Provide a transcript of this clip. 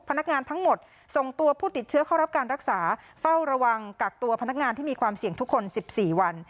พนักงานทั้งหมดส่งตัวผู้ติดเชื้อเข้ารับการรักษาเฝ้าระวังกักตัวพนักงานที่มีความเสี่ยงทุกคน๑๔วัน